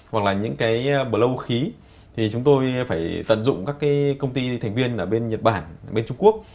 hoặc là những cái blowe khí thì chúng tôi phải tận dụng các cái công ty thành viên ở bên nhật bản bên trung quốc